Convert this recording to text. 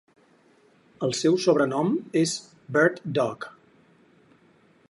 El seu sobrenom és Bird Dogg.